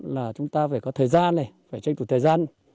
là chúng ta phải có thời gian này phải tranh thủ thời gian